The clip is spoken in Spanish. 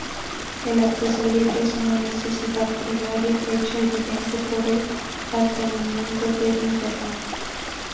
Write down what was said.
El acceso libre es una necesidad primaria hecha evidente por el advenimiento de Internet.